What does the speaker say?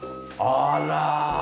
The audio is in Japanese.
あら！